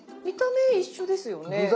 見た目一緒ですよね。